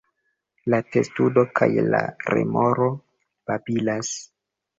La testudo kaj la remoro babilas.